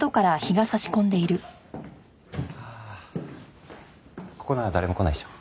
ああここなら誰も来ないでしょ。